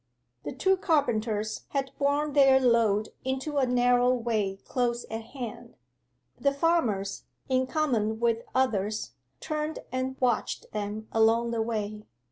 The two carpenters had borne their load into a narrow way close at hand. The farmers, in common with others, turned and watched them along the way.